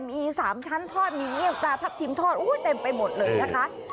มี๓ชั้นทอดมีเงี่ยงปลาทับทิมทอดเต็มไปหมดเลยนะคะ